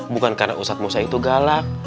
bukan karena ustadz musa itu galak